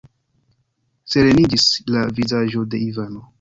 Sereniĝis la vizaĝo de Ivano.